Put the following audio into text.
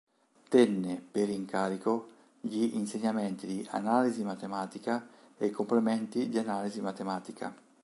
Tenne, per incarico, gli insegnamenti di analisi matematica e complementi di analisi matematica.